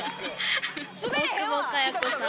大久保佳代子さん。